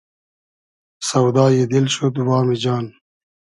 سۆدای دیل شود وامی جان